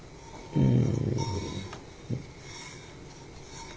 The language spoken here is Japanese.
うん。